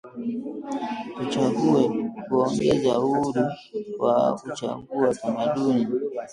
Tuchague kuongeza uhuru wa kuchagua tamaduni